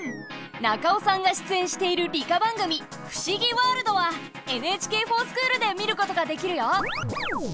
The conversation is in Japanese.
中尾さんが出演している理科番組「ふしぎワールド」は「ＮＨＫｆｏｒＳｃｈｏｏｌ」で見ることができるよ！